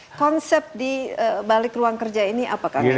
jadi konsep di balik ruang kerja ini apakah kang emil